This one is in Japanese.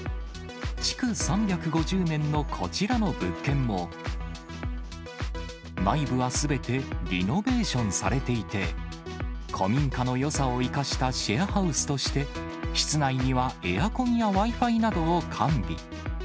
築３５０年のこちらの物件も、内部はすべてリノベーションされていて、古民家のよさを生かしたシェアハウスとして、室内にはエアコンやＷｉ−Ｆｉなどを完備。